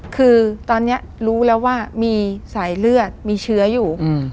คือตอนนี้รู้แล้วว่ามีสายเลือดมีเชื้ออยู่